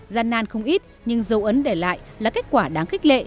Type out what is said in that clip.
gian nan không ít nhưng dấu ấn để lại là kết quả đáng khích lệ